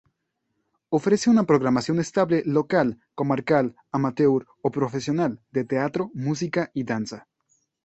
Ofrece una programación estable local, comarcal, amateur o profesional, de teatro, música y danza.